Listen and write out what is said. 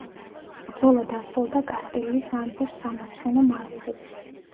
ბრძოლა დასრულდა კასტილიის სამეფოს სამარცხვინო მარცხით.